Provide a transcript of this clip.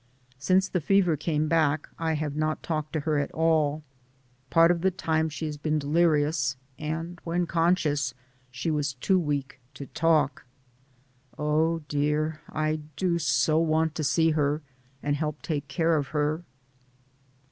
Since the fever came back I have not talked to her at all. Part of the time she has been delirious, and when conscious she was too weak to talk." Oh, dear. I do so want to see her and help take care of her.